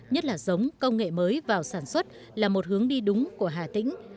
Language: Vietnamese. nhất là giống công nghệ mới vào sản xuất là một hướng đi đúng của hạ tỉnh